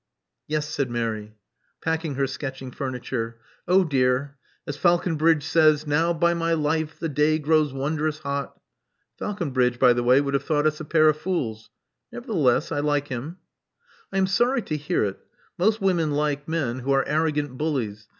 '*Yes," said Mary, packing her sketching furniture. '*Oh dear! As Faulconbridge says, 'Now, by my life, the day grows wondrous hot. ' Faulconbridge, by the bye, would have thought us a pair of fools. Never theless I like him." '*I am sorry to hear it. Most women like men who are arrogant bullies.